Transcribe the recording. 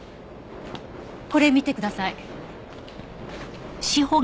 これ見てください。